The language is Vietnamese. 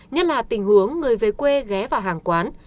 nhất là tình huống người về quê ghé vào hàng quán